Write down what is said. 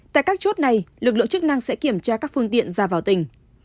tại các chốt này lực lượng chức năng sẽ kiểm tra các phương tiện ra vào tỉnh